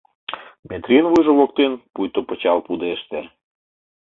Метрийын вуйжо воктен пуйто пычал пудеште.